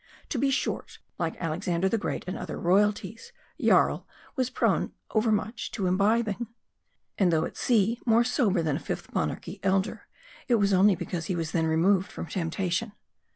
To be short, like Alexander the Great and other royalties, Jarl was prone to overmuch bib bing. And though at sea more sober than a Fifth Mon archy Elder, it was only .because he was then removed from temptation.